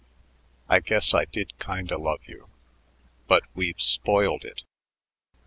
I guess I did kinda love you, but we've spoiled it."